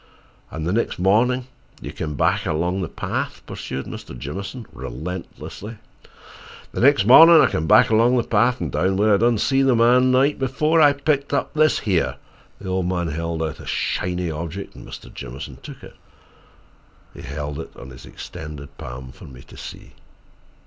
"And the next morning you came back along the path," pursued Mr. Jamieson relentlessly. "The nex' mornin' I come back along the path an' down where I dun see the man night befoh, I picked up this here." The old man held out a tiny object and Mr. Jamieson took it. Then he held it on his extended palm for me to see.